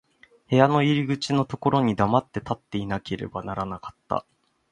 部屋の入口のところに黙って立っていなければならなかった。